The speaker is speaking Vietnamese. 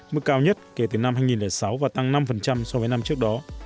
mức cao nhất kể từ năm hai nghìn sáu và tăng năm so với năm trước đó